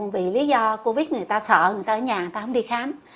vì lý do covid người ta sợ người ta ở nhà người ta không đi khám